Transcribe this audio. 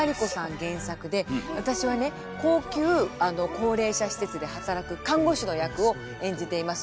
原作で私はね高級高齢者施設で働く看護師の役を演じています。